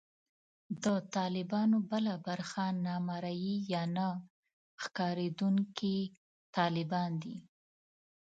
د طالبانو بله برخه نامرئي یا نه ښکارېدونکي طالبان دي